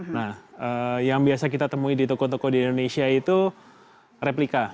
nah yang biasa kita temui di toko toko di indonesia itu replika